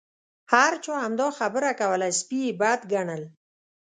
هر چا همدا خبره کوله سپي یې بد ګڼل.